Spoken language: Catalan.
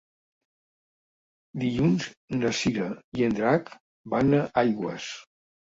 Dilluns na Cira i en Drac van a Aigües.